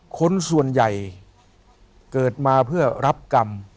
คนส่วนใหญ่เกิดมาเพื่อรับกรรม